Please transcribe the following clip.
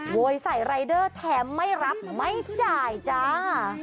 โวยใส่รายเดอร์แถมไม่รับไม่จ่ายจ้า